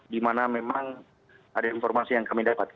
di mana memang ada informasi yang kami dapat